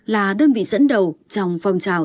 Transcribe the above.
là đơn vị dẫn đầu trong phong trào